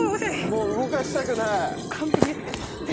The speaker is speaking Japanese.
もう動かしたくない完璧です